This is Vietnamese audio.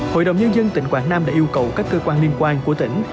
hội đồng nhân dân tỉnh quảng nam đã yêu cầu các cơ quan liên quan của tỉnh